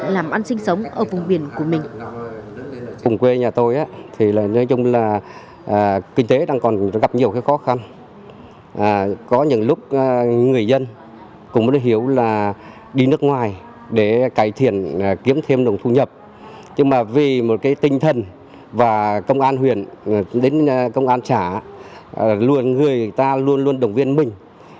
làm ăn sinh sống ở vùng biển của mình